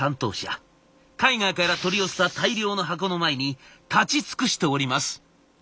海外から取り寄せた大量の箱の前に立ち尽くしております。